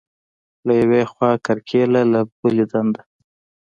له یوې خوا کرکیله، له بلې دنده.